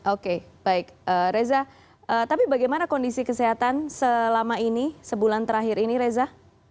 oke baik reza tapi bagaimana kondisi kesehatan selama ini sebulan terakhir ini reza